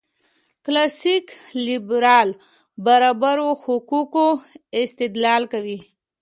کلاسیک لېبرال برابرو حقوقو استدلال کوي.